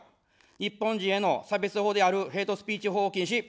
日本人への差別法であるヘイトスピーチ法を禁止。